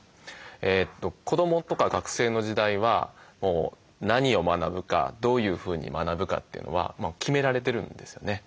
子どもとか学生の時代は何を学ぶかどういうふうに学ぶかというのは決められてるんですよね。